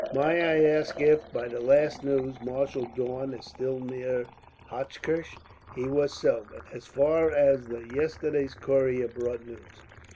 "May I ask if, by the last news, Marshal Daun is still near Hochkirch?" "He was so, as far as the yesterday's courier brought news.